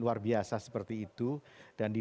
lupa bisa saja terjadi